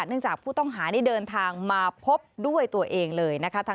จากผู้ต้องหานี่เดินทางมาพบด้วยตัวเองเลยนะคะ